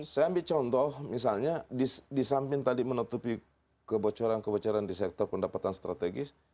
saya ambil contoh misalnya di samping tadi menutupi kebocoran kebocoran di sektor pendapatan strategis